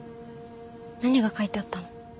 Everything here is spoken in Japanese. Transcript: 何が書いてあったの？